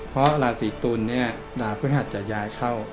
เพราะราศีตุลนี่ราภัยภาษณ์จะย้ายเข้า